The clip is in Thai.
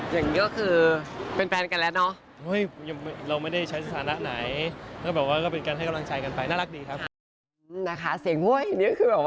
อย่างนี้ก็คือเป็นแฟนกันแล้วเนาะเราไม่ได้ใช้สถานะไหนแล้วก็เป็นการให้กำลังใช้กันไปน่ารักดีครับ